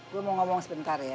gue mau ngomong sebentar ya